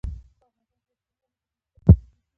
په افغانستان کې وحشي حیوانات د ژوند په کیفیت تاثیر کوي.